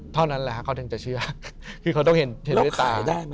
เท่านั้นแหละเขาถึงจะเชื่อคือเขาต้องเห็นคือเขาจะเห็นเท่านี้ด้วยตา